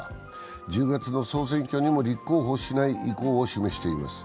１０月の総選挙にも立候補しない意向を示しています。